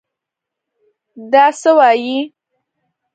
دا څه وايې.